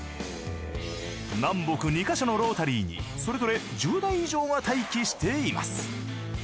南北２か所のロータリーにそれぞれ１０台以上が待機しています。